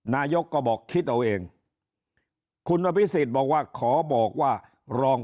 นายกก็บอกคิดเอาเองคุณอภิษฎบอกว่าขอบอกว่ารอง